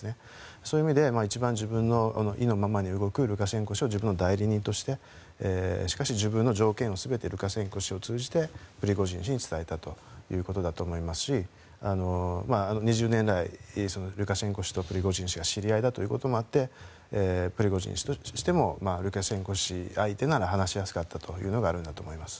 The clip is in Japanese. そういう意味で一番自分の意のままに動くルカシェンコ氏を自分の代理人としてしかし、自分の条件をルカシェンコ氏を通じてプリゴジン氏に伝えたということだと思いますし２０年来ルカシェンコ氏とプリゴジン氏が知り合いだということもあってプリゴジン氏としてもルカシェンコ氏相手なら話しやすかったというのがあるんだと思います。